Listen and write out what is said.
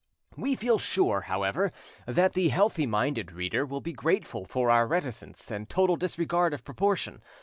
We feel sure, however, that the healthy minded reader will be grateful for our reticence and total disregard of proportion.